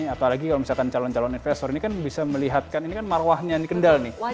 apalagi kalau misalkan calon calon investor ini kan bisa melihatkan ini kan marwahnya ini kendal nih